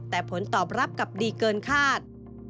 แต่ผลตอบรับกลับดีเกินคาด